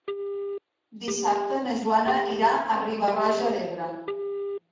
Dissabte na Joana irà a Riba-roja d'Ebre.